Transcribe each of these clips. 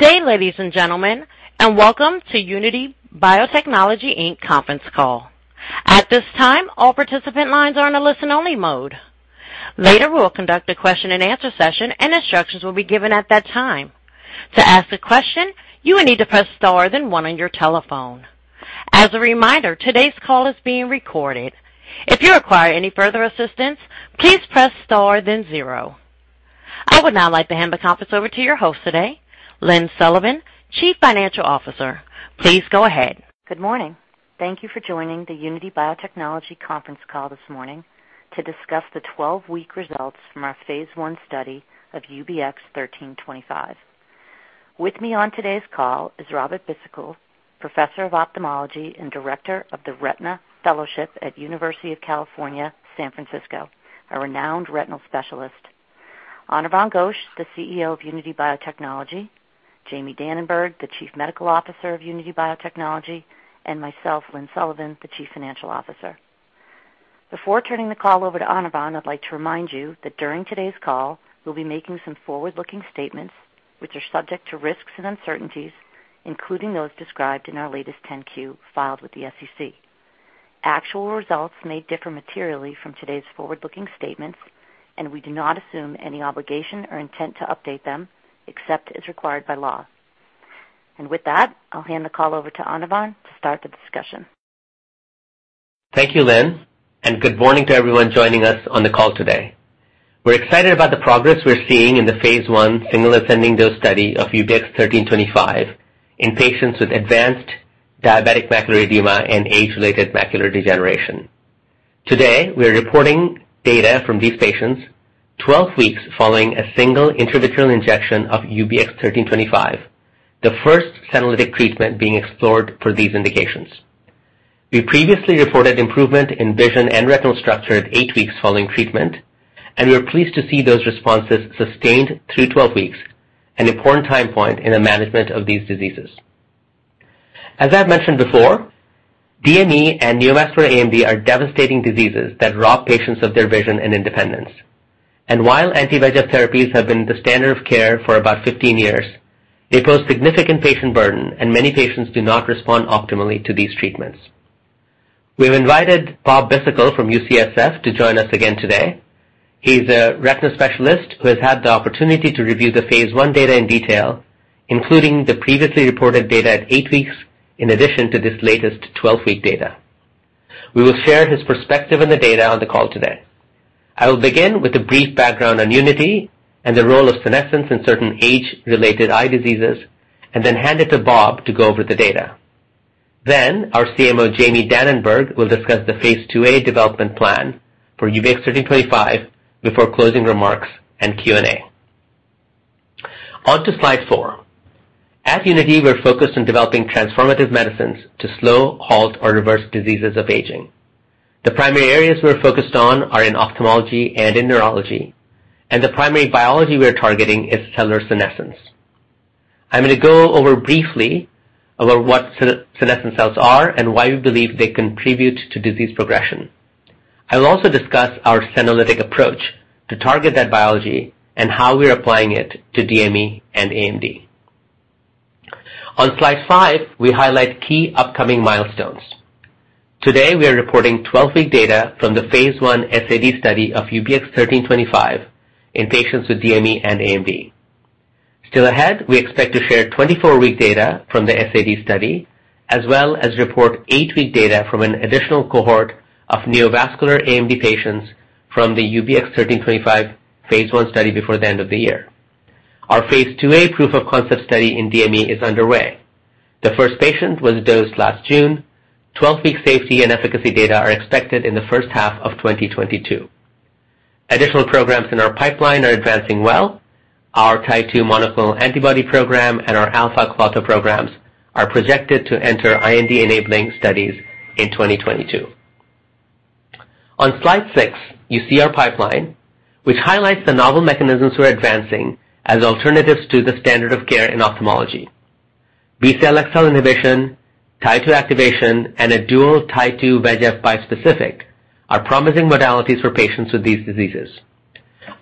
Good day, ladies and gentlemen, and welcome to Unity Biotechnology, Inc. conference call. At this time, all participant lines are in a listen-only mode. Later, we will conduct a question and answer session, and instructions will be given at that time. To ask a question, you will need to press star then one on your telephone. As a reminder, today's call is being recorded. If you require any further assistance, please press star then zero. I would now like to hand the conference over to your host today, Lynne Sullivan, Chief Financial Officer. Please go ahead. Good morning. Thank you for joining the Unity Biotechnology conference call this morning to discuss the 12-week results from our phase I study of UBX1325. With me on today's call is Robert Bhisitkul, Professor of Ophthalmology and Director of the Retina Fellowship at University of California, San Francisco, a renowned retinal specialist. Anirvan Ghosh, the CEO of Unity Biotechnology, Jamie Dananberg, the Chief Medical Officer of Unity Biotechnology, and myself, Lynne Sullivan, the Chief Financial Officer. Before turning the call over to Anirvan, I'd like to remind you that during today's call, we'll be making some forward-looking statements, which are subject to risks and uncertainties, including those described in our latest 10-Q filed with the SEC. Actual results may differ materially from today's forward-looking statements, and we do not assume any obligation or intent to update them except as required by law. With that, I'll hand the call over to Anirvan to start the discussion. Thank you, Lynne. Good morning to everyone joining us on the call today. We're excited about the progress we're seeing in the phase I single ascending dose study of UBX1325 in patients with advanced diabetic macular edema and age-related macular degeneration. Today, we are reporting data from these patients 12 weeks following a single intravitreal injection of UBX1325, the first senolytic treatment being explored for these indications. We previously reported improvement in vision and retinal structure at eight weeks following treatment. We are pleased to see those responses sustained through 12 weeks, an important time point in the management of these diseases. As I've mentioned before, DME and neovascular AMD are devastating diseases that rob patients of their vision and independence. While anti-VEGF therapies have been the standard of care for about 15 years, they pose significant patient burden, and many patients do not respond optimally to these treatments. We've invited Robert Bhisitkul from UCSF to join us again today. He's a retina specialist who has had the opportunity to review the phase I data in detail, including the previously reported data at eight weeks in addition to this latest 12-week data. We will share his perspective on the data on the call today. I will begin with a brief background on Unity and the role of senescence in certain age-related eye diseases, and then hand it to Robert to go over the data. Our CMO, Jamie Dananberg, will discuss the phase II-A development plan for UBX1325 before closing remarks and Q&A. On to slide four. At Unity, we are focused on developing transformative medicines to slow, halt, or reverse diseases of aging. The primary areas we are focused on are in ophthalmology and in neurology, and the primary biology we are targeting is cellular senescence. I am going to go over briefly about what senescent cells are and why we believe they contribute to disease progression. I will also discuss our senolytic approach to target that biology and how we are applying it to DME and AMD. On slide 5, we highlight key upcoming milestones. Today, we are reporting 12-week data from the phase I SAD study of UBX1325 in patients with DME and AMD. Still ahead, we expect to share 24-week data from the SAD study, as well as report eight -week data from an additional cohort of neovascular AMD patients from the UBX1325 phase I study before the end of the year. Our phase IIa proof of concept study in DME is underway. The first patient was dosed last June. 12-week safety and efficacy data are expected in the first half of 2022. Additional programs in our pipeline are advancing well. Our Tie2 monoclonal antibody program and our alpha-klotho programs are projected to enter IND-enabling studies in 2022. On slide six, you see our pipeline, which highlights the novel mechanisms we're advancing as alternatives to the standard of care in ophthalmology. BCL-XL inhibition, Tie2 activation, and a dual Tie2-VEGF bispecific are promising modalities for patients with these diseases.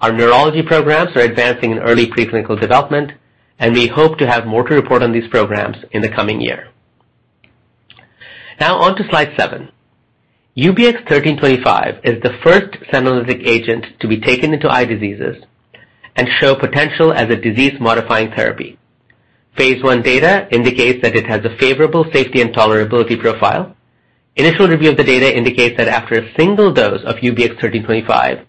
Our neurology programs are advancing in early preclinical development, and we hope to have more to report on these programs in the coming year. Now on to slide seven. UBX1325 is the first senolytic agent to be taken into eye diseases and show potential as a disease-modifying therapy. phase I data indicates that it has a favorable safety and tolerability profile. Initial review of the data indicates that after a single dose of UBX1325,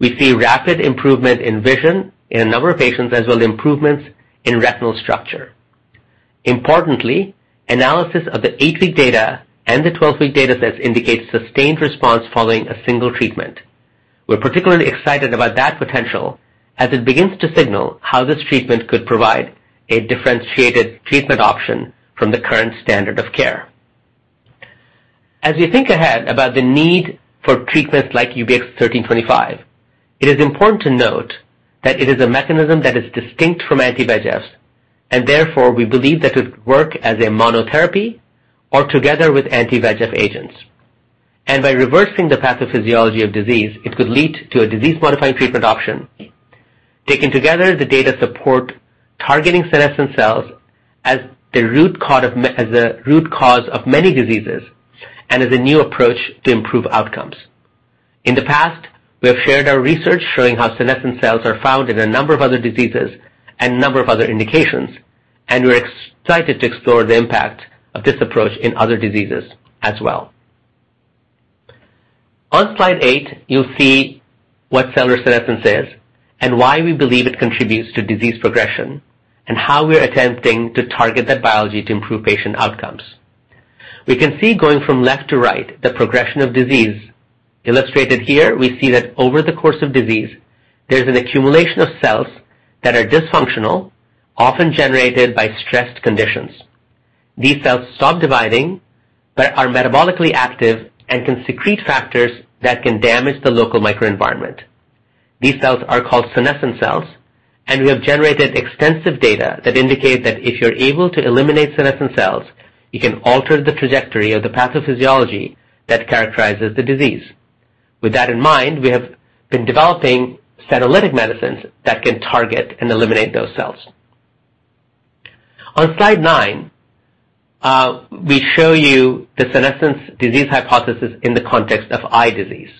we see rapid improvement in vision in a number of patients, as well as improvements in retinal structure. Importantly, analysis of the eight-week data and the 12-week data sets indicate sustained response following a single treatment. We're particularly excited about that potential as it begins to signal how this treatment could provide a differentiated treatment option from the current standard of care. As we think ahead about the need for treatments like UBX1325, it is important to note that it is a mechanism that is distinct from anti-VEGFs, and therefore, we believe that it would work as a monotherapy or together with anti-VEGF agents. By reversing the pathophysiology of disease, it could lead to a disease-modifying treatment option. Taken together, the data support targeting senescent cells as the root cause of many diseases and as a new approach to improve outcomes. In the past, we have shared our research showing how senescent cells are found in a number of other diseases and a number of other indications, and we're excited to explore the impact of this approach in other diseases as well. On slide eight, you'll see what cellular senescence is and why we believe it contributes to disease progression, and how we're attempting to target that biology to improve patient outcomes. We can see going from left to right, the progression of disease illustrated here, we see that over the course of disease, there's an accumulation of cells that are dysfunctional, often generated by stressed conditions. These cells stop dividing but are metabolically active and can secrete factors that can damage the local microenvironment. These cells are called senescent cells, and we have generated extensive data that indicate that if you're able to eliminate senescent cells, you can alter the trajectory of the pathophysiology that characterizes the disease. With that in mind, we have been developing senolytic medicines that can target and eliminate those cells. On slide 9 nine we show you the senescence disease hypothesis in the context of eye disease.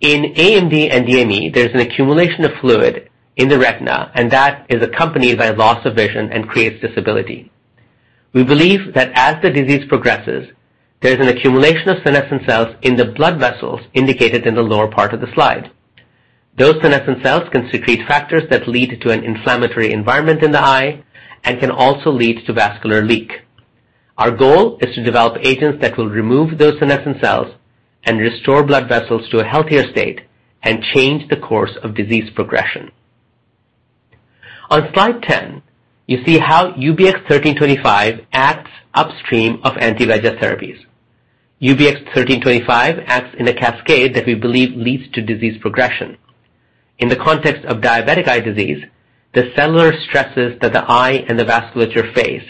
In AMD and DME, there's an accumulation of fluid in the retina, and that is accompanied by loss of vision and creates disability. We believe that as the disease progresses, there's an accumulation of senescent cells in the blood vessels indicated in the lower part of the slide. Those senescent cells can secrete factors that lead to an inflammatory environment in the eye and can also lead to vascular leak. Our goal is to develop agents that will remove those senescent cells and restore blood vessels to a healthier state and change the course of disease progression. On slide 10, you see how UBX1325 acts upstream of anti-VEGF therapies. UBX1325 acts in a cascade that we believe leads to disease progression. In the context of diabetic eye disease, the cellular stresses that the eye and the vasculature face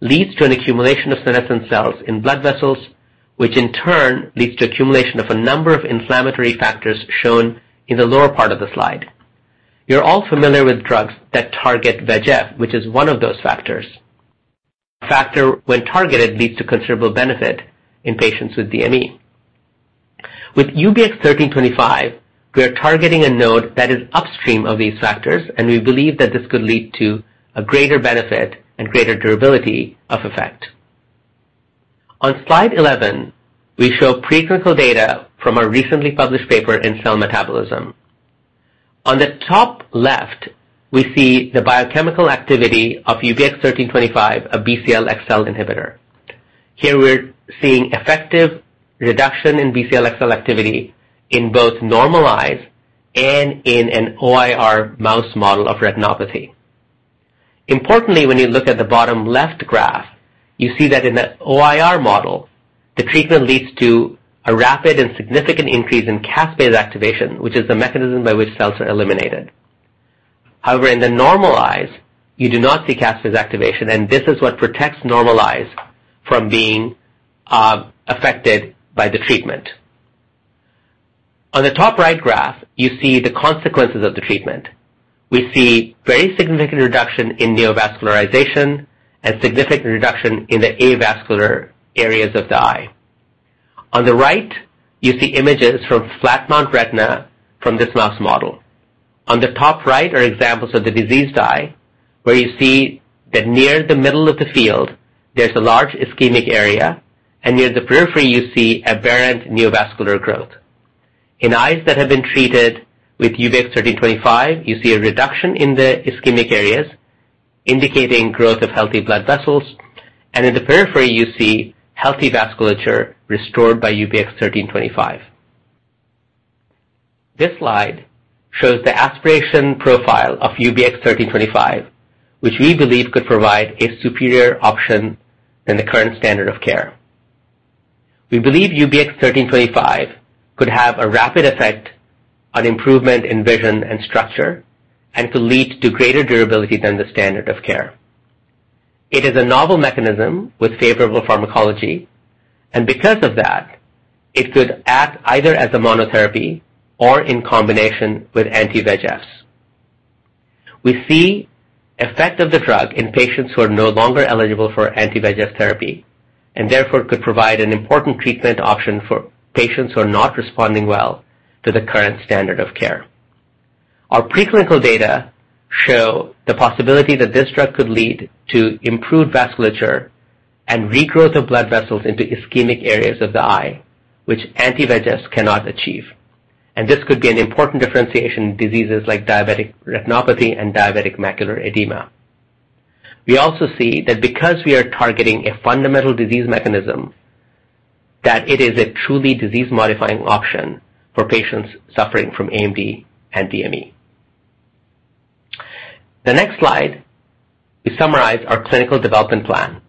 leads to an accumulation of senescent cells in blood vessels, which in turn leads to accumulation of a number of inflammatory factors shown in the lower part of the slide. You're all familiar with drugs that target VEGF, which is one of those factors. Factor, when targeted, leads to considerable benefit in patients with DME. With UBX1325, we are targeting a node that is upstream of these factors, and we believe that this could lead to a greater benefit and greater durability of effect. On slide 11, we show preclinical data from a recently published paper in Cell Metabolism. On the top left, we see the biochemical activity of UBX1325, a BCL-XL inhibitor. Here we're seeing effective reduction in BCL-XL activity in both normal eyes and in an OIR mouse model of retinopathy. Importantly, when you look at the bottom left graph, you see that in the OIR model, the treatment leads to a rapid and significant increase in caspase activation, which is the mechanism by which cells are eliminated. However, in the normal eyes, you do not see caspase activation, and this is what protects normal eyes from being affected by the treatment. On the top right graph, you see the consequences of the treatment. We see very significant reduction in neovascularization and significant reduction in the avascular areas of the eye. On the right, you see images from retinal flat mount from this mouse model. On the top right are examples of the diseased eye, where you see that near the middle of the field, there's a large ischemic area, and near the periphery, you see aberrant neovascular growth. In eyes that have been treated with UBX1325, you see a reduction in the ischemic areas, indicating growth of healthy blood vessels, and in the periphery, you see healthy vasculature restored by UBX1325. This slide shows the aspiration profile of UBX1325, which we believe could provide a superior option than the current standard of care. We believe UBX1325 could have a rapid effect on improvement in vision and structure and could lead to greater durability than the standard of care. It is a novel mechanism with favorable pharmacology, because of that, it could act either as a monotherapy or in combination with anti-VEGFs. We see effect of the drug in patients who are no longer eligible for anti-VEGF therapy and therefore could provide an important treatment option for patients who are not responding well to the current standard of care. Our preclinical data show the possibility that this drug could lead to improved vasculature and regrowth of blood vessels into ischemic areas of the eye, which anti-VEGFs cannot achieve. This could be an important differentiation in diseases like diabetic retinopathy and diabetic macular edema. We also see that because we are targeting a fundamental disease mechanism, that it is a truly disease-modifying option for patients suffering from AMD and DME. The next slide, we summarize our clinical development plan.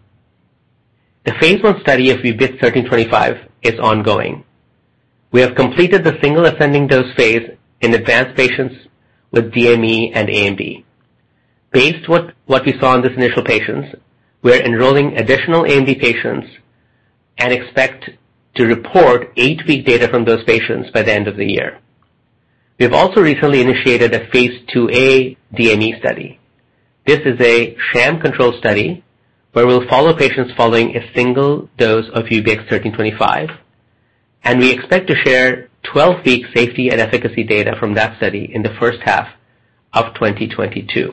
The phase I study of UBX1325 is ongoing. We have completed the single ascending dose phase in advanced patients with DME and AMD. Based on what we saw in these initial patients, we are enrolling additional AMD patients and expect to report eight-week data from those patients by the end of the year. We have also recently initiated a phase IIa DME study. This is a sham control study where we'll follow patients following a single dose of UBX1325, and we expect to share 12-week safety and efficacy data from that study in the first half of 2022.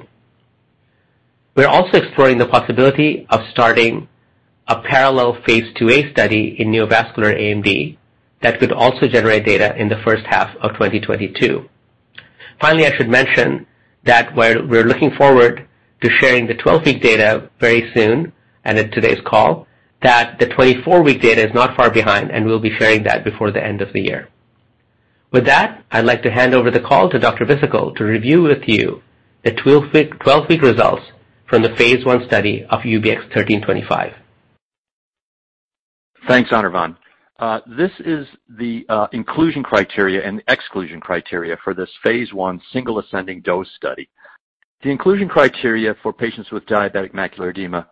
We're also exploring the possibility of starting a parallel phase IIa study in neovascular AMD that could also generate data in the first half of 2022. I should mention that we're looking forward to sharing the 12-week data very soon and in today's call that the 24-week data is not far behind, and we'll be sharing that before the end of the year. I'd like to hand over the call to Dr. Bhisitkul to review with you the 12-week results from the phase I study of UBX1325. Thanks, Anirvan. This is the inclusion criteria and exclusion criteria for this phase I single ascending dose study. The inclusion criteria for patients with diabetic macular edema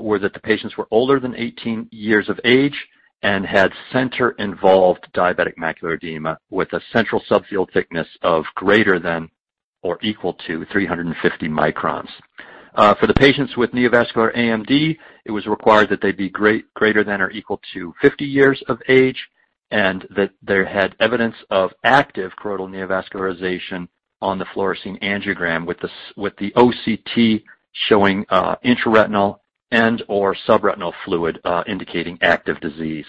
were that the patients were older than 18 years of age and had center-involved diabetic macular edema with a central subfield thickness of greater than or equal to 350 microns. For the patients with neovascular AMD, it was required that they be greater than or equal to 50 years of age, and that they had evidence of active choroidal neovascularization on the fluorescein angiogram with the OCT showing intraretinal and/or subretinal fluid indicating active disease.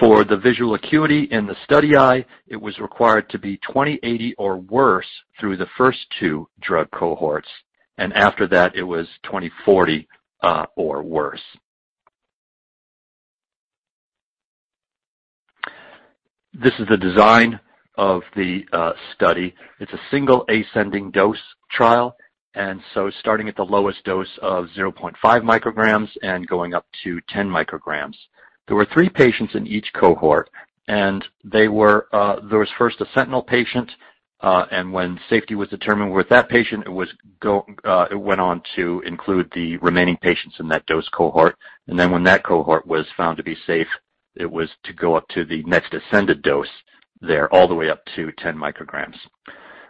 For the visual acuity in the study eye, it was required to be 20/80 or worse through the first 2 drug cohorts, and after that, it was 20/40 or worse. This is the design of the study. It's a single ascending dose trial, starting at the lowest dose of 0.5 micrograms and going up to 10 micrograms. There were three patients in each cohort, and there was first a sentinel patient. When safety was determined with that patient, it went on to include the remaining patients in that dose cohort. When that cohort was found to be safe, it was to go up to the next ascended dose there, all the way up to 10 micrograms.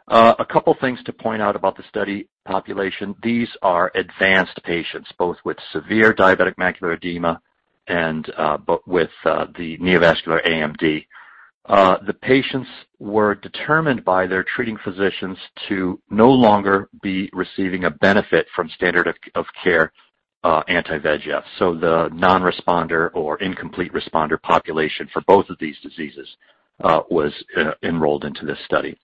A couple things to point out about the study population. These are advanced patients, both with severe diabetic macular edema and with the neovascular AMD. The patients were determined by their treating physicians to no longer be receiving a benefit from standard of care anti-VEGF. The non-responder or incomplete responder population for both of these diseases was enrolled into this study.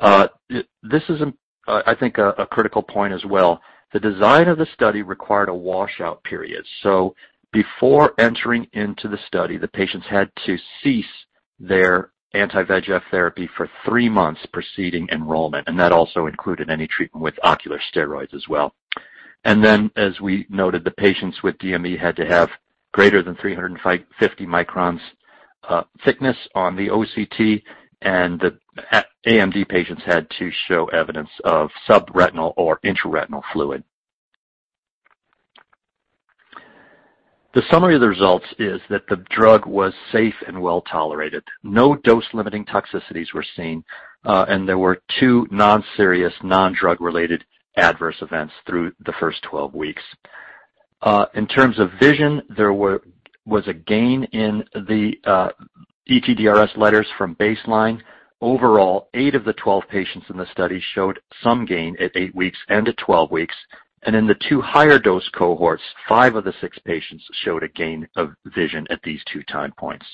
This is, I think, a critical point as well. The design of the study required a washout period. Before entering into the study, the patients had to cease their anti-VEGF therapy for three months preceding enrollment, and that also included any treatment with ocular steroids as well. As we noted, the patients with DME had to have greater than 350 microns thickness on the OCT, and the AMD patients had to show evidence of subretinal or intraretinal fluid. The summary of the results is that the drug was safe and well-tolerated. No dose-limiting toxicities were seen, and there were two non-serious, non-drug related adverse events through the first 12 weeks. In terms of vision, there was a gain in the ETDRS letters from baseline. Overall, eight of the 12 patients in the study showed some gain at eight weeks and at 12 weeks. In the two higher dose cohorts, five of the six patients showed a gain of vision at these two time points.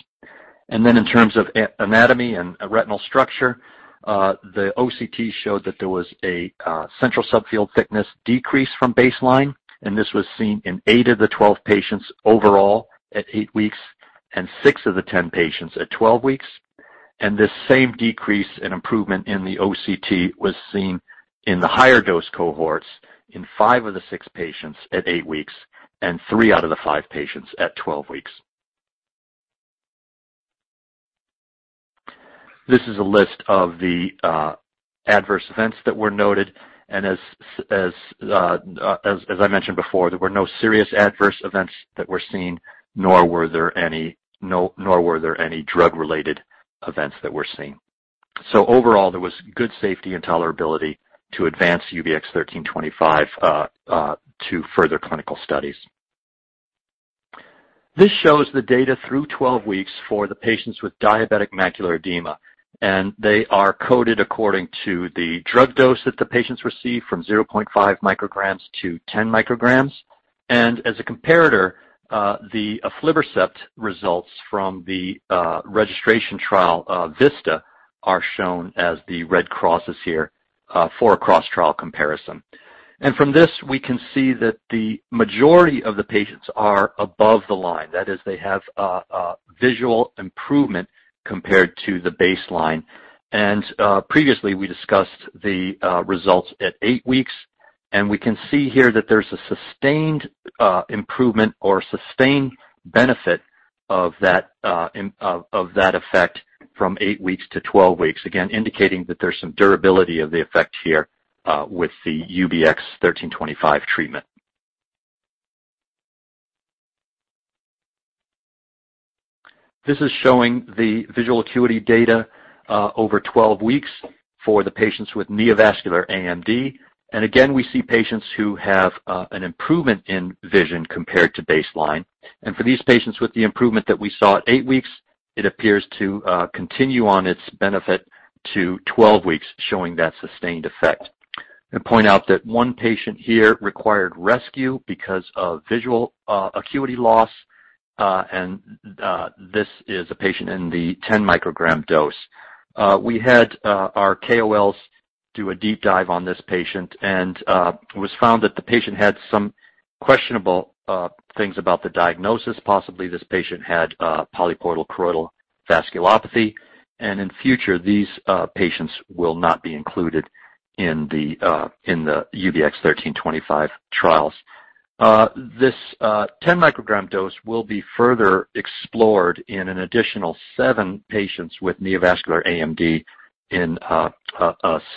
In terms of anatomy and retinal structure, the OCT showed that there was a central subfield thickness decrease from baseline, and this was seen in eight of the 12 patients overall at eight weeks and eight of the 10 patients at 12 weeks. This same decrease in improvement in the OCT was seen in the higher dose cohorts in five of the six patients at eight weeks and three out of the five patients at 12 weeks. This is a list of the adverse events that were noted, and as I mentioned before, there were no serious adverse events that were seen, nor were there any drug-related events that were seen. Overall, there was good safety and tolerability to advance UBX1325 to further clinical studies. This shows the data through 12 weeks for the patients with diabetic macular edema, and they are coded according to the drug dose that the patients received from 0.5 micrograms to 10 micrograms. As a comparator, the aflibercept results from the registration trial VISTA are shown as the red crosses here for a cross-trial comparison. From this, we can see that the majority of the patients are above the line. That is, they have visual improvement compared to the baseline. Previously, we discussed the results at eight weeks. We can see here that there's a sustained improvement or sustained benefit of that effect from 8 weeks to 12 weeks, again, indicating that there's some durability of the effect here with the UBX1325 treatment. This is showing the visual acuity data over 12 weeks for the patients with neovascular AMD. Again, we see patients who have an improvement in vision compared to baseline. For these patients with the improvement that we saw at eight weeks, it appears to continue on its benefit to 12 weeks, showing that sustained effect. Point out that one patient here required rescue because of visual acuity loss. This is a patient in the 10 microgram dose. We had our KOLs do a deep dive on this patient, and it was found that the patient had some questionable things about the diagnosis. Possibly this patient had polypoidal choroidal vasculopathy, and in future, these patients will not be included in the UBX1325 trials. This 10 microgram dose will be further explored in an additional seven patients with neovascular AMD in a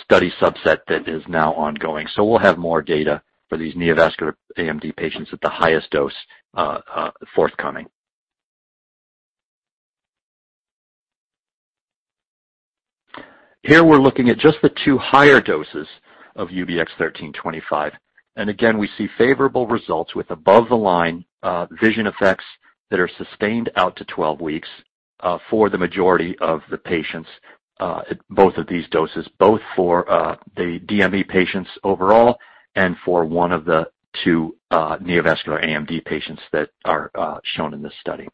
study subset that is now ongoing. We'll have more data for these neovascular AMD patients at the highest dose forthcoming. Here we're looking at just the two higher doses of UBX1325. Again, we see favorable results with above the line vision effects that are sustained out to 12 weeks for the majority of the patients at both of these doses, both for the DME patients overall and for one of the two neovascular AMD patients that are shown in this study.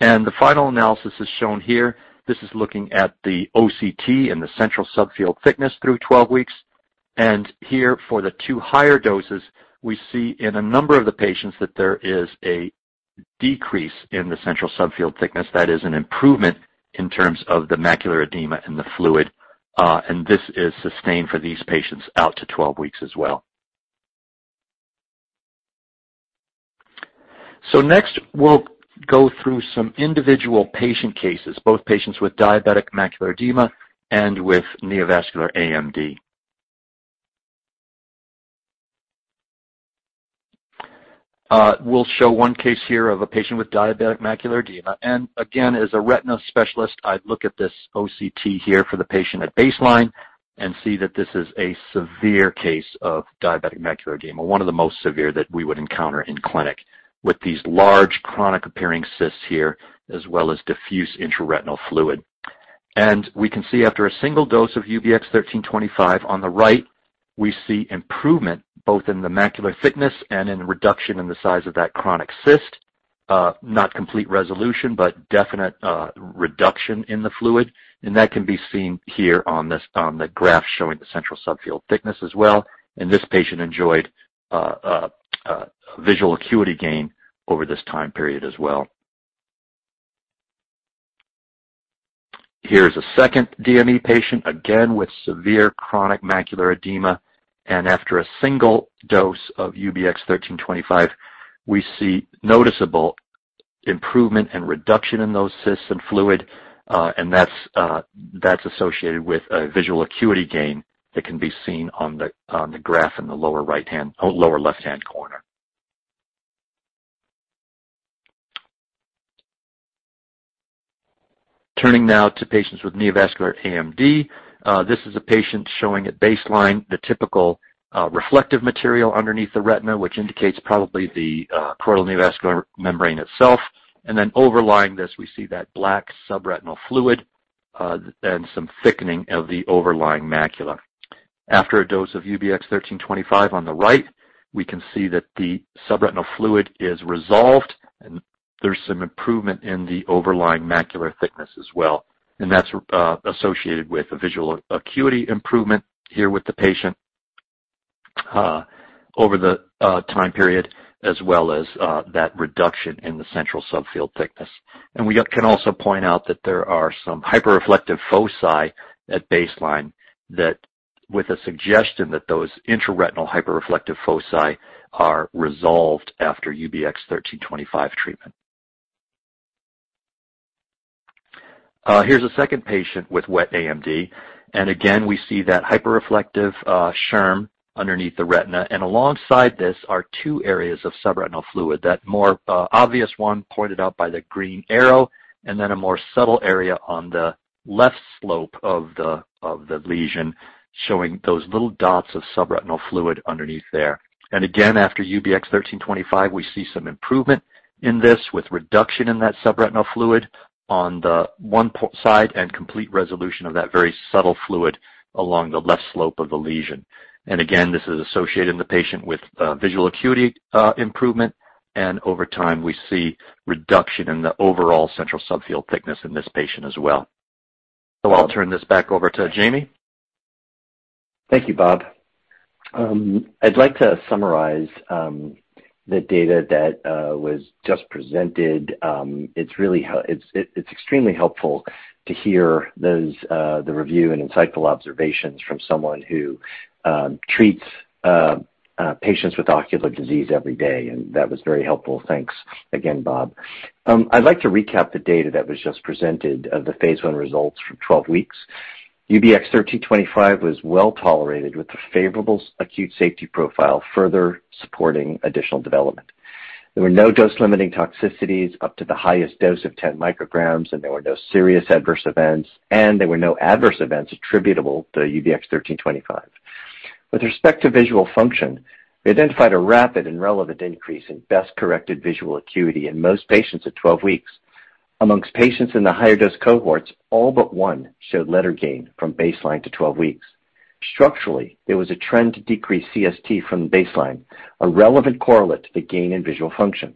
The final analysis is shown here. This is looking at the OCT and the central subfield thickness through 12 weeks. Here for the two higher doses, we see in a number of the patients that there is a decrease in the central subfield thickness. That is an improvement in terms of the macular edema and the fluid, and this is sustained for these patients out to 12 weeks as well. Next, we'll go through some individual patient cases, both patients with diabetic macular edema and with neovascular AMD. We'll show one case here of a patient with diabetic macular edema. Again, as a retina specialist, I'd look at this OCT here for the patient at baseline and see that this is a severe case of diabetic macular edema, one of the most severe that we would encounter in clinic, with these large chronic appearing cysts here, as well as diffuse intraretinal fluid. We can see after a single dose of UBX1325 on the right, we see improvement both in the macular thickness and in reduction in the size of that chronic cyst. Not complete resolution, but definite reduction in the fluid. That can be seen here on the graph showing the central subfield thickness as well. This patient enjoyed a visual acuity gain over this time period as well. Here's a second DME patient, again with severe chronic macular edema, and after a single dose of UBX1325, we see noticeable improvement and reduction in those cysts and fluid. That's associated with a visual acuity gain that can be seen on the graph in the lower left-hand corner. Turning now to patients with neovascular AMD. This is a patient showing at baseline the typical reflective material underneath the retina, which indicates probably the choroidal neovascular membrane itself. Then overlying this, we see that black subretinal fluid and some thickening of the overlying macula. After a dose of UBX1325 on the right, we can see that the subretinal fluid is resolved, and there's some improvement in the overlying macular thickness as well. That's associated with a visual acuity improvement here with the patient over the time period, as well as that reduction in the central subfield thickness. We can also point out that there are some hyperreflective foci at baseline that with a suggestion that those intraretinal hyperreflective foci are resolved after UBX1325 treatment. Here's a second patient with wet AMD. Again, we see that hyperreflective SHRM underneath the retina. Alongside this are two areas of subretinal fluid, that more obvious one pointed out by the green arrow, and then a more subtle area on the left slope of the lesion, showing those little dots of subretinal fluid underneath there. Again, after UBX1325, we see some improvement in this with reduction in that subretinal fluid on the one side and complete resolution of that very subtle fluid along the left slope of the lesion. Again, this is associated in the patient with visual acuity improvement, and over time, we see reduction in the overall central subfield thickness in this patient as well. I'll turn this back over to Jamie. Thank you, Bob. I'd like to summarize the data that was just presented. It's extremely helpful to hear the review and insightful observations from someone who treats patients with ocular disease every day, and that was very helpful. Thanks again, Bob. I'd like to recap the data that was just presented of the phase I results for 12 weeks. UBX1325 was well-tolerated with a favorable acute safety profile, further supporting additional development. There were no dose-limiting toxicities up to the highest dose of 10 micrograms. There were no serious adverse events. There were no adverse events attributable to UBX1325. With respect to visual function, we identified a rapid and relevant increase in best-corrected visual acuity in most patients at 12 weeks. Amongst patients in the higher dose cohorts, all but one showed letter gain from baseline to 12 weeks. Structurally, there was a trend to decrease CST from the baseline, a relevant correlate to the gain in visual function.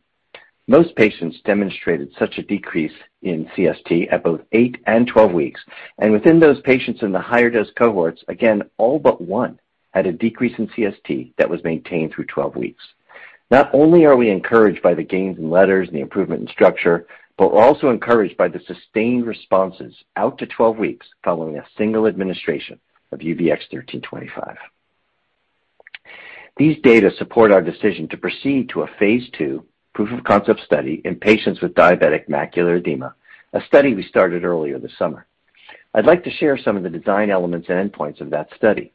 Most patients demonstrated such a decrease in CST at both eight and 12 weeks, and within those patients in the higher dose cohorts, again, all but 1 had a decrease in CST that was maintained through 12 weeks. Not only are we encouraged by the gains in letters and the improvement in structure, but we're also encouraged by the sustained responses out to 12 weeks following a single administration of UBX1325. These data support our decision to proceed to a phase II proof-of-concept study in patients with diabetic macular edema, a study we started earlier this summer. I'd like to share some of the design elements and endpoints of that study.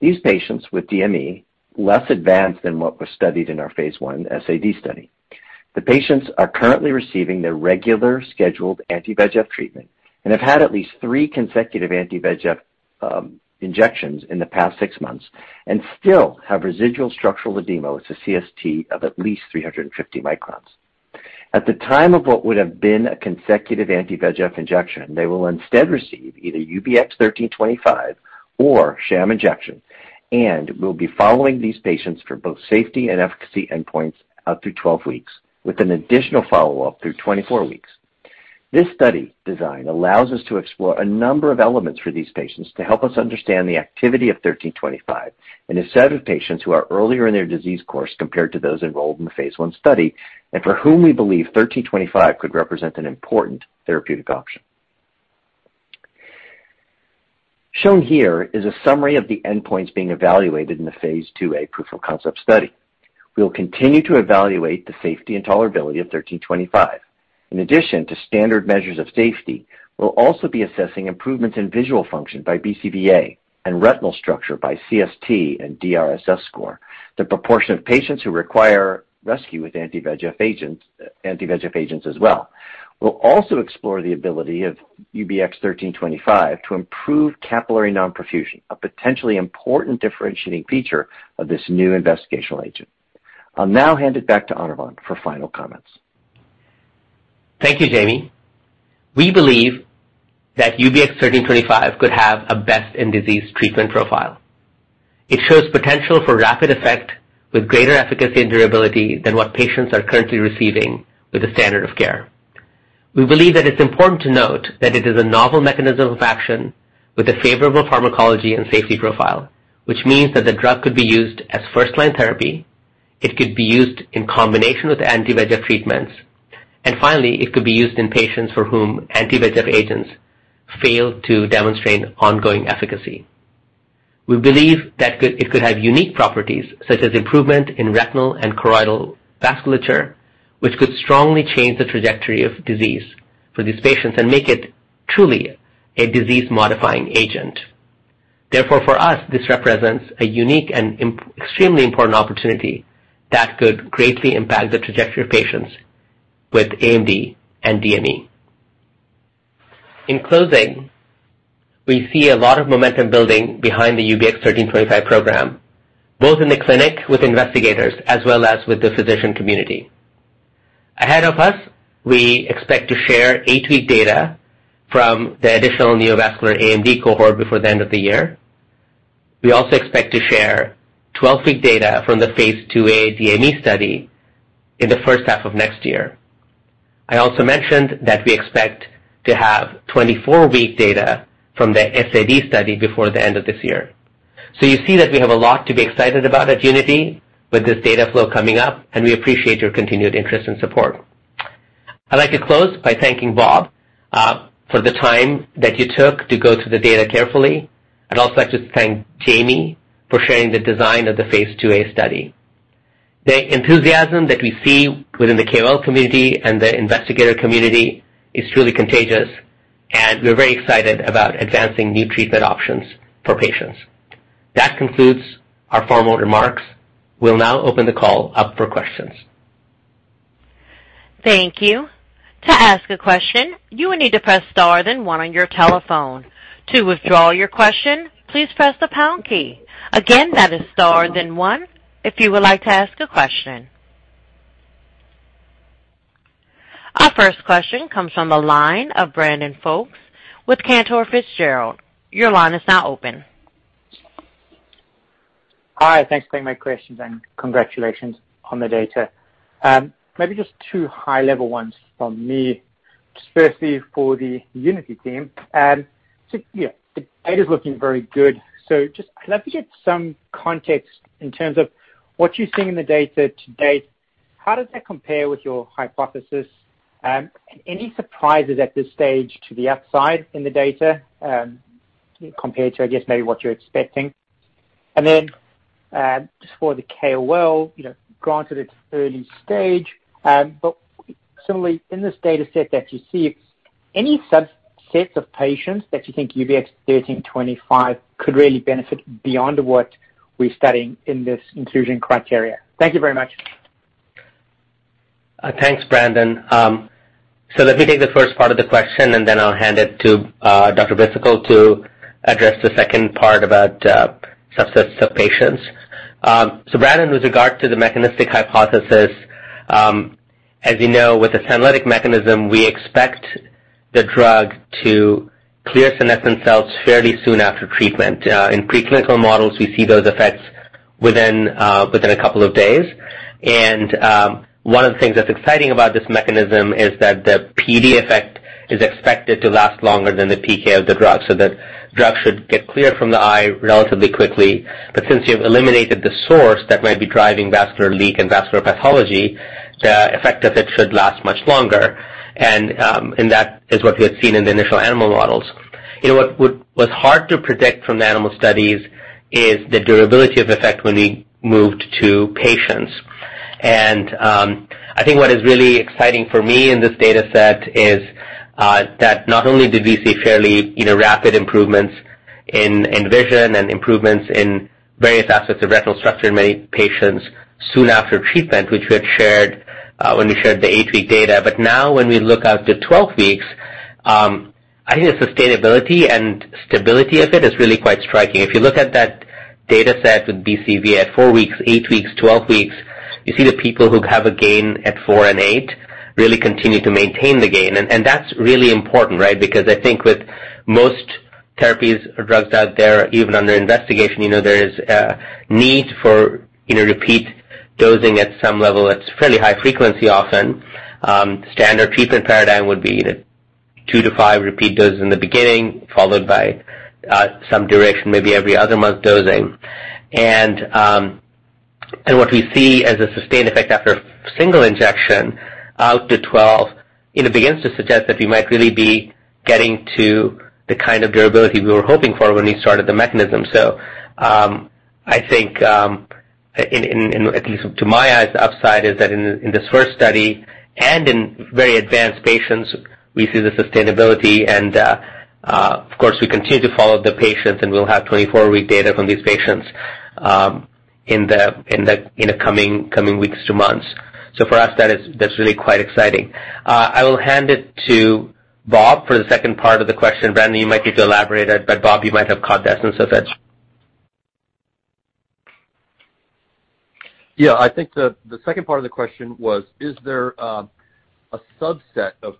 These patients with DME less advanced than what was studied in our phase I SAD study. The patients are currently receiving their regular scheduled anti-VEGF treatment and have had at least three consecutive anti-VEGF injections in the past six months and still have residual structural edema with a CST of at least 350 microns. At the time of what would have been a consecutive anti-VEGF injection, they will instead receive either UBX1325 or sham injection, and we'll be following these patients for both safety and efficacy endpoints out through 12 weeks, with an additional follow-up through 24 weeks. This study design allows us to explore a number of elements for these patients to help us understand the activity of 1325 in a set of patients who are earlier in their disease course compared to those enrolled in the phase I study and for whom we believe 1325 could represent an important therapeutic option. Shown here is a summary of the endpoints being evaluated in the phase IIa proof-of-concept study. We will continue to evaluate the safety and tolerability of 1325. In addition to standard measures of safety, we'll also be assessing improvements in visual function by BCVA and retinal structure by CST and DRSS score, and the proportion of patients who require rescue with anti-VEGF agents as well. We'll also explore the ability of UBX1325 to improve capillary non-perfusion, a potentially important differentiating feature of this new investigational agent. I'll now hand it back to Anirvan Ghosh for final comments. Thank you, Jamie. We believe that UBX1325 could have a best-in-disease treatment profile. It shows potential for rapid effect with greater efficacy and durability than what patients are currently receiving with the standard of care. We believe that it's important to note that it is a novel mechanism of action with a favorable pharmacology and safety profile. It means that the drug could be used as first-line therapy, it could be used in combination with anti-VEGF treatments, and finally, it could be used in patients for whom anti-VEGF agents failed to demonstrate ongoing efficacy. We believe that it could have unique properties, such as improvement in retinal and choroidal vasculature, which could strongly change the trajectory of disease for these patients and make it truly a disease-modifying agent. Therefore, for us, this represents a unique and extremely important opportunity that could greatly impact the trajectory of patients with AMD and DME. In closing, we see a lot of momentum building behind the UBX1325 program, both in the clinic with investigators as well as with the physician community. Ahead of us, we expect to share eight-week data from the additional neovascular AMD cohort before the end of the year. We also expect to share 12-week data from the phase IIa DME study in the first half of next year. I also mentioned that we expect to have 24-week data from the SAD study before the end of this year. You see that we have a lot to be excited about at Unity with this data flow coming up, and we appreciate your continued interest and support. I'd like to close by thanking Bob for the time that you took to go through the data carefully. I'd also like to thank Jamie for sharing the design of the phase IIa study. The enthusiasm that we see within the KOLs community and the investigator community is truly contagious, and we're very excited about advancing new treatment options for patients. That concludes our formal remarks. We'll now open the call up for questions. Thank you, to ask a question you will need to press star then one on your telephone. To withdraw your question, please press the pound key again that is star then one, if you would like to ask a question. Our first question comes from the line of Brandon Folkes with Cantor Fitzgerald. Your line is now open. Hi. Thanks for taking my questions, and congratulations on the data. Maybe just two high-level ones from me. Just firstly, for the Unity team. Yeah, the data's looking very good. I'd love to get some context in terms of what you're seeing in the data to date. How does that compare with your hypothesis? Any surprises at this stage to the upside in the data, compared to, I guess maybe what you're expecting. Just for the KOL, granted it's early stage, similarly in this data set that you see, any subsets of patients that you think UBX1325 could really benefit beyond what we're studying in this inclusion criteria? Thank you very much. Thanks, Brandon. Let me take the first part of the question, and then I'll hand it to Dr. Bhisitkul to address the second part about subsets of patients. Brandon, with regard to the mechanistic hypothesis, as you know, with the senolytic mechanism, we expect the drug to clear senescent cells fairly soon after treatment. In preclinical models, we see those effects within a couple of days. One of the things that's exciting about this mechanism is that the PD effect is expected to last longer than the PK of the drug, so that drug should get clear from the eye relatively quickly. Since you've eliminated the source that might be driving vascular leak and vascular pathology, the effect of it should last much longer. That is what we had seen in the initial animal models. What was hard to predict from the animal studies is the durability of effect when we moved to patients. I think what is really exciting for me in this data set is that not only did we see fairly rapid improvements in vision and improvements in various aspects of retinal structure in many patients soon after treatment, which we had shared, when we shared the eight-week data. Now when we look out to 12 weeks, I think the sustainability and stability of it is really quite striking. If you look at that data set with BCVA at four weeks, eight weeks, 12 weeks, you see the people who have a gain at four and eight really continue to maintain the gain. That's really important, right? I think with most therapies or drugs out there, even under investigation, there is a need for repeat dosing at some level. It's fairly high frequency often. Standard treatment paradigm would be two to five repeat doses in the beginning, followed by some duration, maybe every other month dosing. What we see as a sustained effect after a single injection out to 12, it begins to suggest that we might really be getting to the kind of durability we were hoping for when we started the mechanism. I think, at least to my eyes, the upside is that in this first study and in very advanced patients, we see the sustainability and, of course, we continue to follow the patients, and we'll have 24 week data from these patients, in the coming weeks to months. For us, that's really quite exciting. I will hand it to Bob for the second part of the question. Brandon, you might need to elaborate, but Bob, you might have caught the essence of it. Yeah. I think the second part of the question was, is there a subset of.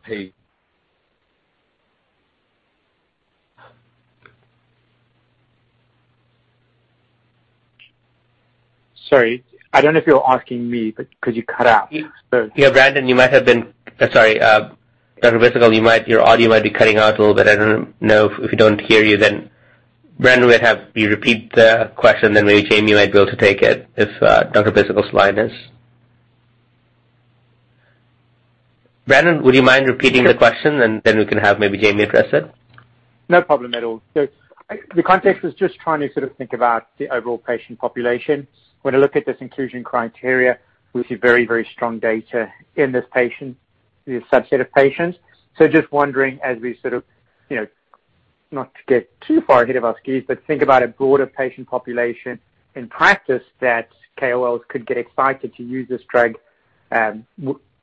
Sorry, I don't know if you're asking me, but because you cut out. Yeah, Brandon, sorry. Dr. Bhisitkul, your audio might be cutting out a little bit. I don't know if we don't hear you, then Brandon would have you repeat the question, then maybe Jamie might be able to take it. Brandon, would you mind repeating the question, and then we can have maybe Jamie address it? No problem at all. The context was just trying to sort of think about the overall patient population. When I look at this inclusion criteria, we see very, very strong data in this patient, this subset of patients. Just wondering as we sort of, not to get too far ahead of our skis, but think about a broader patient population in practice that KOLs could get excited to use this drug,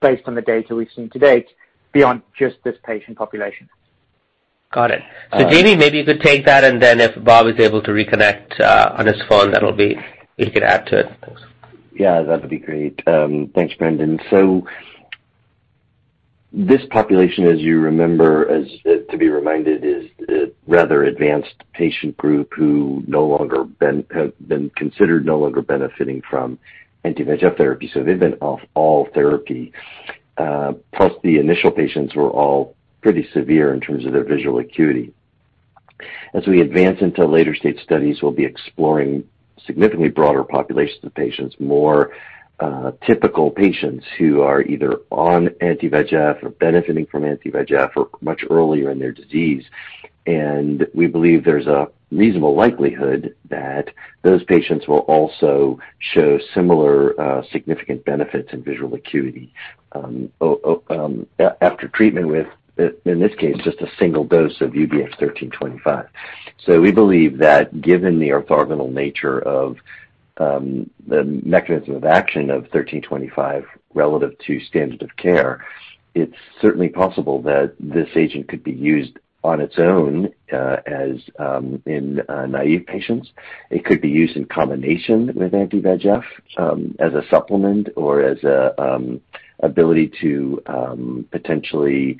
based on the data we've seen to date beyond just this patient population. Got it. Jamie, maybe you could take that, if Bob is able to reconnect on his phone, he could add to it. Yeah, that'd be great. Thanks, Brandon Folkes. This population, as you remember, to be reminded, is a rather advanced patient group who no longer have been considered no longer benefiting from anti-VEGF therapy, so they've been off all therapy. The initial patients were all pretty severe in terms of their visual acuity. As we advance into later-stage studies, we'll be exploring significantly broader populations of patients, more typical patients who are either on anti-VEGF or benefiting from anti-VEGF or much earlier in their disease. We believe there's a reasonable likelihood that those patients will also show similar, significant benefits in visual acuity, after treatment with, in this case, just a single dose of UBX1325. We believe that given the orthogonal nature of the mechanism of action of UBX1325 relative to standard of care, it's certainly possible that this agent could be used on its own, in naive patients. It could be used in combination with anti-VEGF, as a supplement or Ability to potentially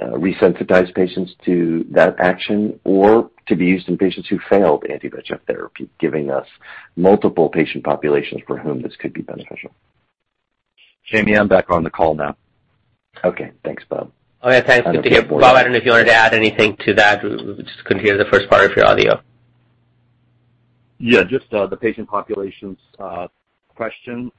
resensitize patients to that action or to be used in patients who failed anti-VEGF therapy, giving us multiple patient populations for whom this could be beneficial. Jamie, I'm back on the call now. Okay. Thanks, Bob. Okay, thanks. Good to hear. Bob, I don't know if you wanted to add anything to that. We just couldn't hear the first part of your audio. Yeah. Just the patient populations question.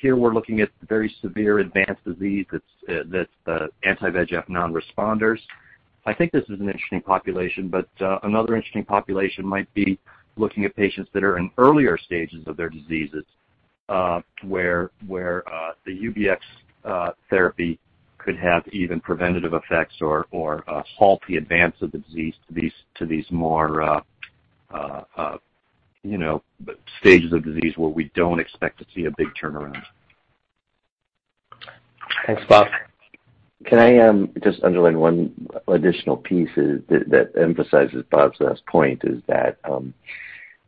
Here we're looking at very severe advanced disease that's anti-VEGF non-responders. I think this is an interesting population, but another interesting population might be looking at patients that are in earlier stages of their diseases, where the UBX therapy could have even preventative effects or halt the advance of the disease to these more stages of disease where we don't expect to see a big turnaround. Thanks, Bob. Can I just underline one additional piece that emphasizes Bob's last point is that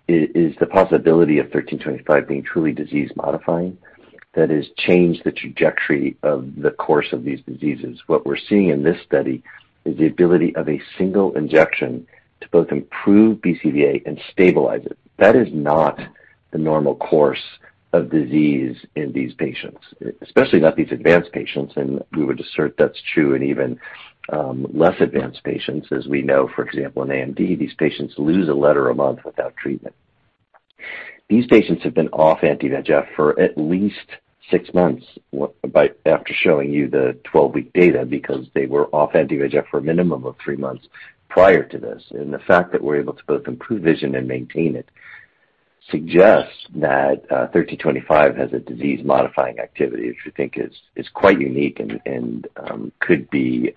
is the possibility of 1325 being truly disease modifying. That is, change the trajectory of the course of these diseases. What we're seeing in this study is the ability of a single injection to both improve BCVA and stabilize it. That is not the normal course of disease in these patients, especially not these advanced patients. We would assert that's true in even less advanced patients. As we know, for example, in AMD, these patients lose a letter a month without treatment. These patients have been off anti-VEGF for at least six months after showing you the 12-week data because they were off anti-VEGF for a minimum of three months prior to this. The fact that we're able to both improve vision and maintain it suggests that 1325 has a disease-modifying activity, which we think is quite unique and could be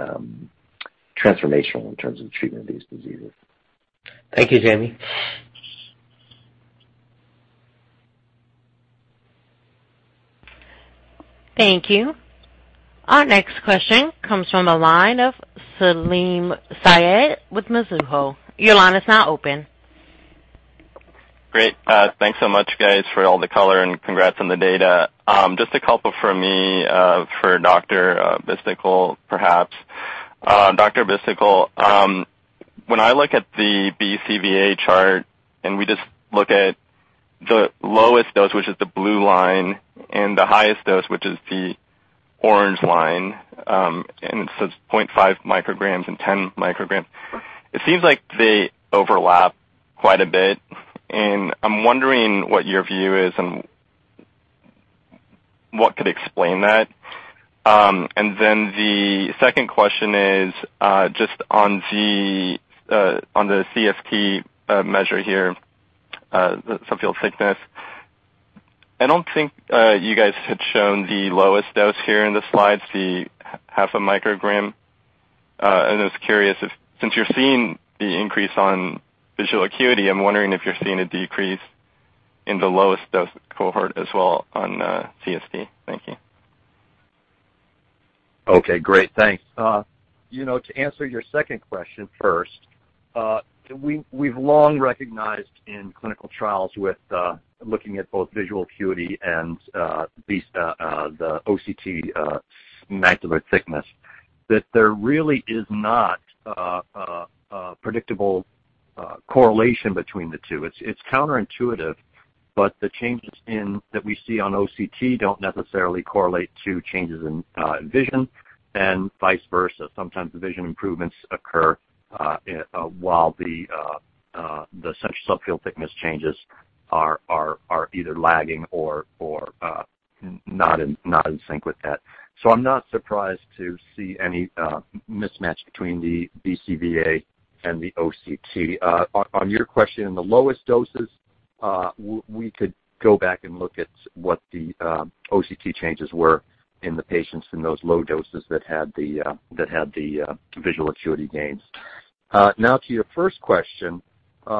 transformational in terms of treatment of these diseases. Thank you, Jamie. Thank you. Our next question comes from the line of Salim Syed with Mizuho. Your line is now open. Great. Thanks so much guys for all the color and congrats on the data. Just a couple from me, for Dr. Bhisitkul, perhaps. Dr. Bhisitkul, when I look at the BCVA chart, we just look at the lowest dose, which is the blue line, the highest dose, which is the orange line, it says 0.5 micrograms and 10 micrograms. It seems like they overlap quite a bit, I'm wondering what your view is and what could explain that. The second question is, just on the CFT measure here, subfield thickness. I don't think you guys had shown the lowest dose here in the slides, the half a microgram. I was curious if, since you're seeing the increase on visual acuity, I'm wondering if you're seeing a decrease in the lowest dose cohort as well on CFT. Thank you. Okay, great. Thanks. To answer your second question first. We've long recognized in clinical trials with looking at both visual acuity and the OCT macular thickness, that there really is not a predictable correlation between the two. It's counterintuitive, but the changes that we see on OCT don't necessarily correlate to changes in vision and vice versa. Sometimes the vision improvements occur while the subfield thickness changes are either lagging or not in sync with that. I'm not surprised to see any mismatch between the BCVA and the OCT. On your question, in the lowest doses, we could go back and look at what the OCT changes were in the patients in those low doses that had the visual acuity gains. Now to your first question.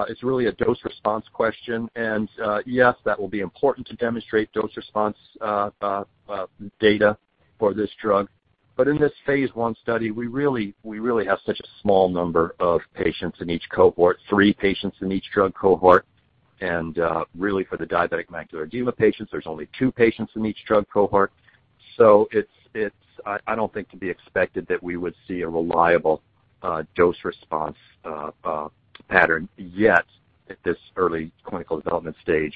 It's really a dose response question, yes, that will be important to demonstrate dose response data for this drug. In this phase I study, we really have such a small number of patients in each cohort, three patients in each drug cohort. Really for the diabetic macular edema patients, there's only two patients in each drug cohort. It's, I don't think to be expected that we would see a reliable dose response pattern yet at this early clinical development stage.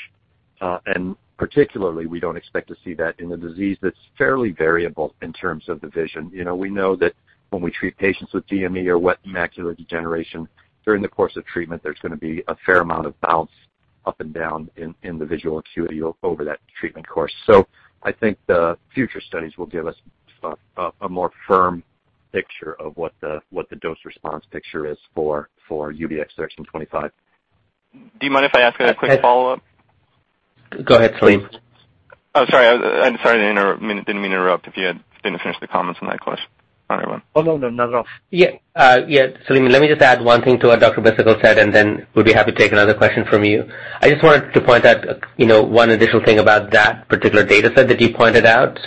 Particularly, we don't expect to see that in a disease that's fairly variable in terms of the vision. We know that when we treat patients with DME or wet macular degeneration, during the course of treatment, there's going to be a fair amount of bounce up and down in the visual acuity over that treatment course. I think the future studies will give us a more firm picture of what the dose response picture is for UBX1325. Do you mind if I ask a quick follow-up? Go ahead, Salim. Oh, sorry. I'm sorry to interrupt. I didn't mean to interrupt if you didn't finish the comments on that question. Sorry, everyone. Oh, no. Not at all. Yeah. Salim, let me just add one thing to what Dr. Bhisitkul said, and then we'll be happy to take another question from you. I just wanted to point out one additional thing about that particular data set that you pointed out.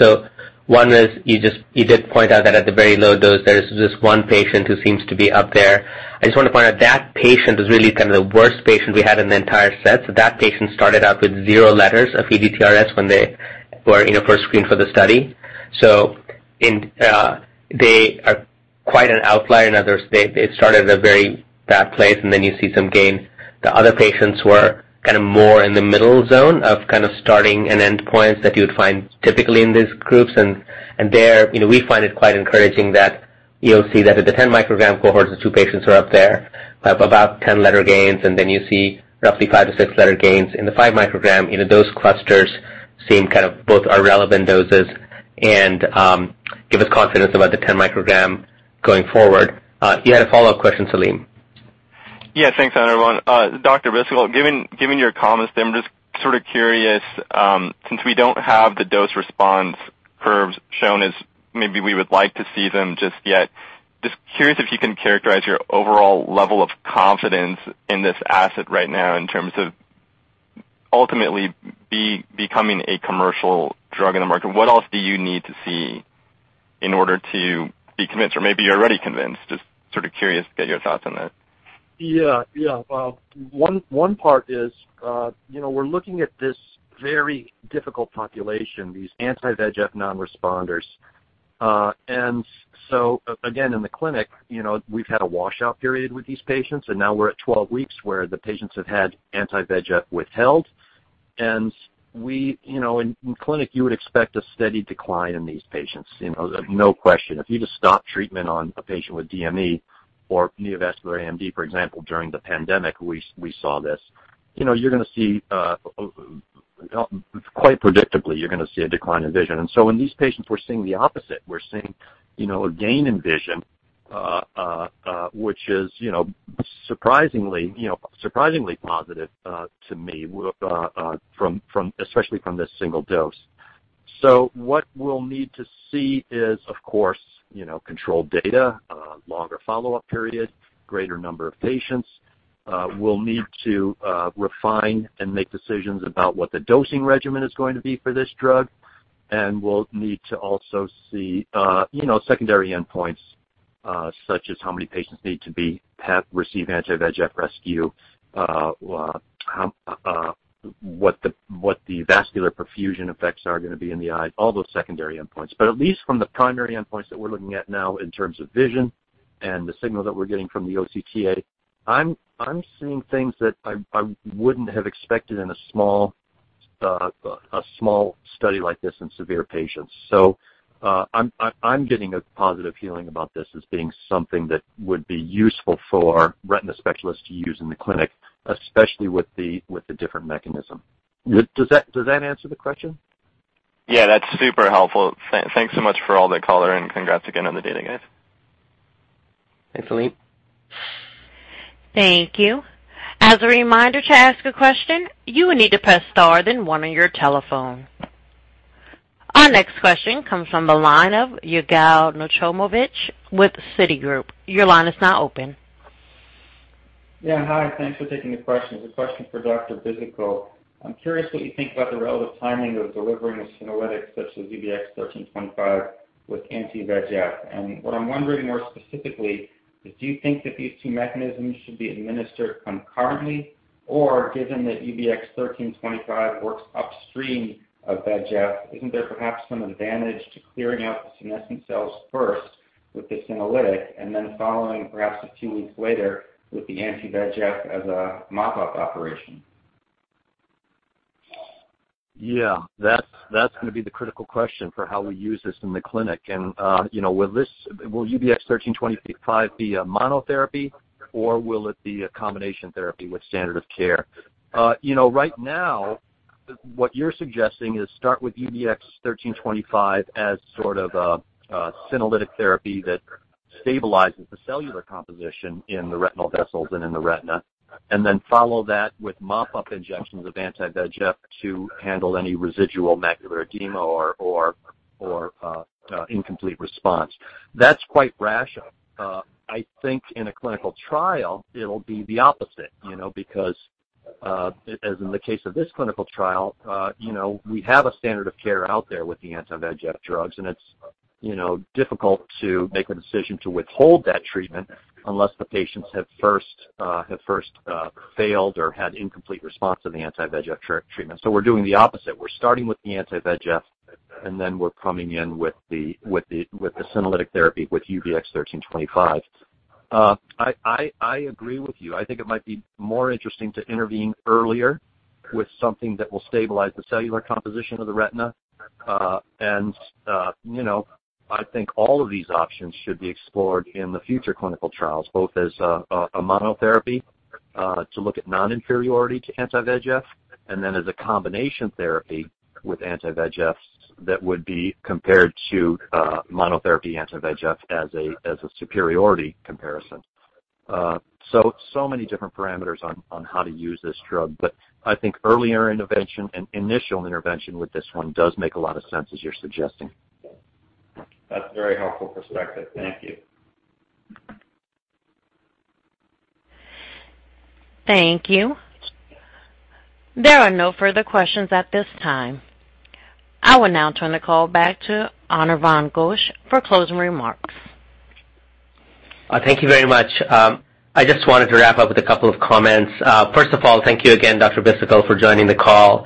One is you did point out that at the very low dose, there's just 1 patient who seems to be up there. I just want to point out that patient is really the worst patient we had in the entire set. That patient started out with zero letters of ETDRS when they were first screened for the study. They are quite an outlier in others. They started at a very bad place, and then you see some gains. The other patients were more in the middle zone of starting and end points that you would find typically in these groups. There, we find it quite encouraging that you'll see that at the 10 microgram cohorts, the two patients are up there by about 10 letter gains, and then you see roughly five-six letter gains in the 5 microgram. Those clusters seem both are relevant doses and give us confidence about the 10 microgram going forward. You had a follow-up question, Salim? Yeah, thanks, Anirvan. Dr. Bhisitkul, given your comments then, I'm just curious, since we don't have the dose response curves shown as maybe we would like to see them just yet, just curious if you can characterize your overall level of confidence in this asset right now in terms of ultimately becoming a commercial drug in the market. What else do you need to see in order to be convinced, or maybe you're already convinced, just curious to get your thoughts on that. One part is we're looking at this very difficult population, these anti-VEGF non-responders. Again, in the clinic, we've had a washout period with these patients, and now we're at 12 weeks where the patients have had anti-VEGF withheld. In clinic, you would expect a steady decline in these patients. No question. If you just stop treatment on a patient with DME or neovascular AMD, for example, during the pandemic, we saw this. Quite predictably, you're going to see a decline in vision. In these patients, we're seeing the opposite. We're seeing a gain in vision, which is surprisingly positive to me, especially from this single dose. What we'll need to see is, of course, controlled data, longer follow-up period, greater number of patients. We'll need to refine and make decisions about what the dosing regimen is going to be for this drug. We'll need to also see secondary endpoints, such as how many patients need to receive anti-VEGF rescue, what the vascular perfusion effects are going to be in the eye, all those secondary endpoints. At least from the primary endpoints that we're looking at now in terms of vision and the signal that we're getting from the OCTA, I'm seeing things that I wouldn't have expected in a small study like this in severe patients. I'm getting a positive feeling about this as being something that would be useful for retina specialists to use in the clinic, especially with the different mechanism. Does that answer the question? That's super helpful. Thanks so much for all the color and congrats again on the data, guys. Thanks, Salim. Thank you. As a reminder to ask a question, you will need to press star then one on your telephone. Our next question comes from the line of Yigal Nochomovitz with Citigroup. Your line is now open. Yeah. Hi. Thanks for taking the question. It's a question for Dr. Bhisitkul. I'm curious what you think about the relative timing of delivering a senolytic such as UBX1325 with anti-VEGF. What I'm wondering more specifically is, do you think that these two mechanisms should be administered concurrently? Given that UBX1325 works upstream of VEGF, isn't there perhaps some advantage to clearing out the senescent cells first with the senolytic and then following perhaps a few weeks later with the anti-VEGF as a mop-up operation? Yeah, that's going to be the critical question for how we use this in the clinic. Will UBX1325 be a monotherapy, or will it be a combination therapy with standard of care? Right now, what you're suggesting is start with UBX1325 as sort of a senolytic therapy that stabilizes the cellular composition in the retinal vessels and in the retina, and then follow that with mop-up injections of anti-VEGF to handle any residual macular edema or incomplete response. That's quite rational. I think in a clinical trial it'll be the opposite, because, as in the case of this clinical trial, we have a standard of care out there with the anti-VEGF drugs, and it's difficult to make a decision to withhold that treatment unless the patients have first failed or had incomplete response to the anti-VEGF treatment. We're doing the opposite. We're starting with the anti-VEGF, then we're coming in with the senolytic therapy with UBX1325. I agree with you. I think it might be more interesting to intervene earlier with something that will stabilize the cellular composition of the retina. I think all of these options should be explored in the future clinical trials, both as a monotherapy to look at non-inferiority to anti-VEGF, then as a combination therapy with anti-VEGFs that would be compared to monotherapy anti-VEGF as a superiority comparison. Many different parameters on how to use this drug. I think earlier intervention and initial intervention with this one does make a lot of sense, as you're suggesting. That's a very helpful perspective. Thank you. Thank you. There are no further questions at this time. I will now turn the call back to Anirvan Ghosh for closing remarks. Thank you very much. I just wanted to wrap up with a couple of comments. First of all, thank you again, Dr. Bhisitkul, for joining the call,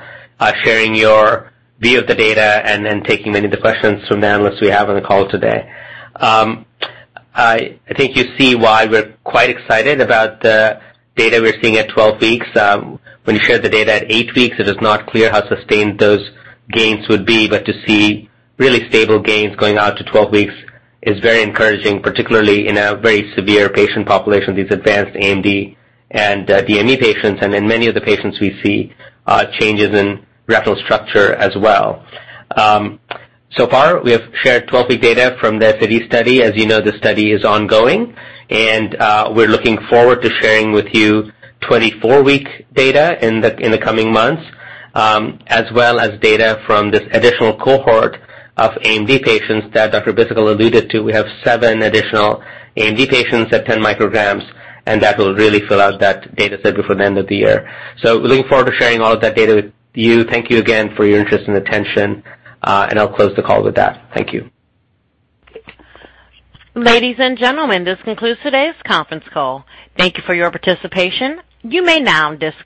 sharing your view of the data, and then taking many of the questions from the analysts we have on the call today. I think you see why we're quite excited about the data we're seeing at 12 weeks. When you share the data at eight weeks, it is not clear how sustained those gains would be. To see really stable gains going out to 12 weeks is very encouraging, particularly in a very severe patient population, these advanced AMD and DME patients. In many of the patients, we see changes in retinal structure as well. So far, we have shared 12-week data from the BEHOLD study. As you know, the study is ongoing, and we're looking forward to sharing with you 24-week data in the coming months, as well as data from this additional cohort of AMD patients that Dr. Bhisitkul alluded to. We have seven additional AMD patients at 10 micrograms, and that will really fill out that data set before the end of the year. Looking forward to sharing all of that data with you. Thank you again for your interest and attention, and I'll close the call with that. Thank you. Ladies and gentlemen, this concludes today's conference call. Thank you for your participation. You may now disconnect.